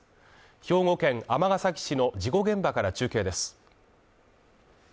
兵庫県尼崎市の事故現場から中継です。